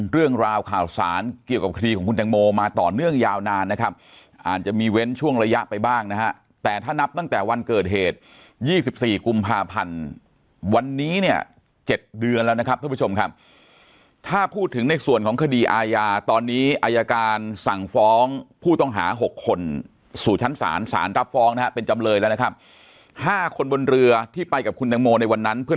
เรื่องราวข่าวสารเกี่ยวกับคดีของคุณตังโมมาต่อเนื่องยาวนานนะครับอาจจะมีเว้นช่วงระยะไปบ้างนะฮะแต่ถ้านับตั้งแต่วันเกิดเหตุ๒๔กุมภาพันธ์วันนี้เนี่ย๗เดือนแล้วนะครับท่านผู้ชมครับถ้าพูดถึงในส่วนของคดีอาญาตอนนี้อายการสั่งฟ้องผู้ต้องหา๖คนสู่ชั้นศาลสารรับฟ้องนะฮะเป็นจำเลยแล้วนะครับ๕คนบนเรือที่ไปกับคุณตังโมในวันนั้นเพื่อน